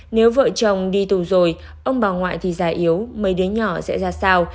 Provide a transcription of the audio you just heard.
nếu vợ chồng đi tù rồi ông bà ngoại thì già yếu mấy đứa nhỏ sẽ ra sao